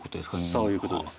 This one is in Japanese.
そういうことです。